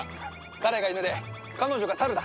彼が犬で彼女が猿だ。